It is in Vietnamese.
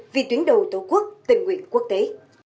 vì tuyến đầu tổ quốc tình nguyện quốc tế